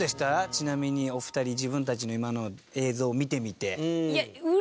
ちなみにお二人自分たちの今の映像を見てみて。